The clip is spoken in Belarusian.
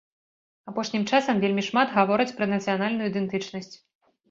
Апошнім часам вельмі шмат гавораць пра нацыянальную ідэнтычнасць.